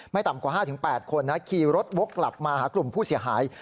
ต่ำกว่า๕๘คนขี่รถวกกลับมาหากลุ่มผู้เสียหาย